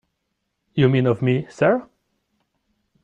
You mean of me, sir?